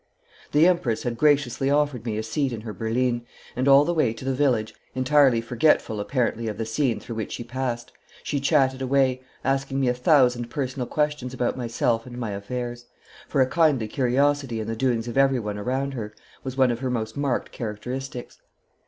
The Empress had graciously offered me a seat in her berline, and all the way to the village, entirely forgetful apparently of the scene through which she passed, she chatted away, asking me a thousand personal questions about myself and my affairs, for a kindly curiosity in the doings of everyone around her was one of her most marked characteristics.